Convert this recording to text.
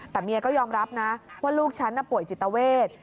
แต่เมียก็ยอมรับนะว่าลูกฉันป่วยจิตเวท